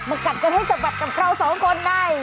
กัดกันให้สะบัดกับเราสองคนใน